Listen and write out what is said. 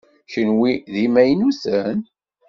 Kenwi d imaynuten?